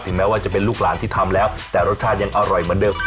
แม้ว่าจะเป็นลูกหลานที่ทำแล้วแต่รสชาติยังอร่อยเหมือนเดิม